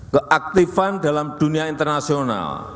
keaktifan dalam dunia internasional